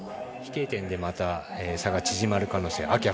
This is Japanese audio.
飛型点でまた差が縮まるかも。